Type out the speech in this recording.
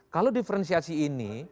kalau diferensiasi ini